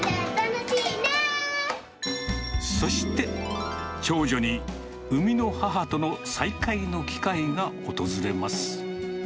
そして、長女に生みの母との再会の機会が訪れます。